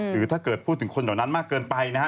หรือถ้าเกิดพูดถึงคนเหล่านั้นมากเกินไปนะฮะ